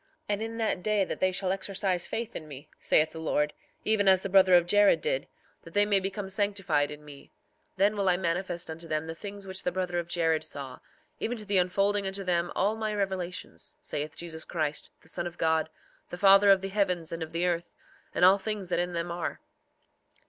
4:7 And in that day that they shall exercise faith in me, saith the Lord, even as the brother of Jared did, that they may become sanctified in me, then will I manifest unto them the things which the brother of Jared saw, even to the unfolding unto them all my revelations, saith Jesus Christ, the Son of God, the Father of the heavens and of the earth, and all things that in them are.